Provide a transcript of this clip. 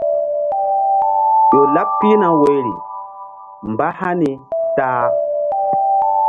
Ƴo laɓ pihna woyri mbáhani ta a.